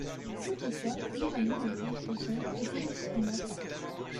Toutefois, Burano n'en compte que cinq et Pellestrina quatre.